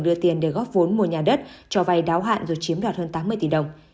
đưa tiền để góp vốn mua nhà đất cho vay đáo hạn rồi chiếm đoạt hơn tám mươi tỷ đồng